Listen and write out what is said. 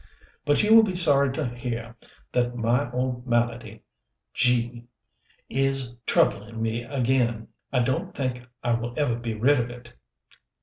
But you will be sorry to hear that my old malady, g , is troubling me again. I don't think I will ever be rid of it.